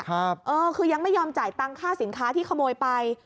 คือยังไม่ยอมจ่ายตังค่าสินค้าที่ขโมยไป